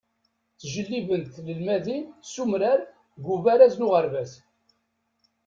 Ttǧellibent tnelmadin s umrar deg ubaraz n uɣerbaz.